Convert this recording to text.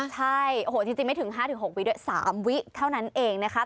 ใช่โอ้โหจริงไม่ถึง๕๖วิด้วย๓วิเท่านั้นเองนะคะ